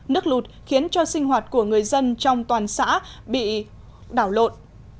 nước lụt khiến cho sinh hoạt của người dân trong toàn xã bị đảo lộn